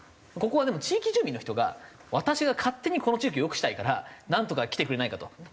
ここはでも地域住民の人が私が勝手にこの地域を良くしたいからなんとか来てくれないかと。